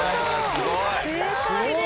すごい。